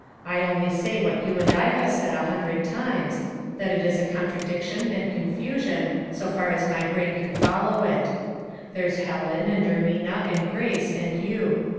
I only say that you and I have said a hundred times, that it is a contradic tion and confusion, so far as my brain can follow it. There's Helen, and Ermina, and Grace, and you.